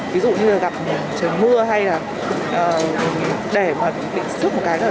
ví dụ như là gặp trời mưa hay là để mà tịnh sức một cái